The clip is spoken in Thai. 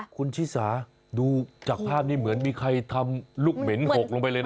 คุณชิสาดูจากภาพนี้เหมือนมีใครทำลูกเหม็นหกลงไปเลยนะ